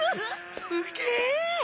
すげえ！